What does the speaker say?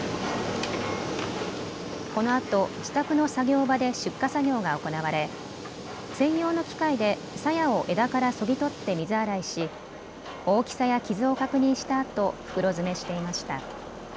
このあと自宅の作業場で出荷作業が行われ専用の機械でさやを枝からそぎ取って水洗いし大きさや傷を確認したあと袋詰めしていました。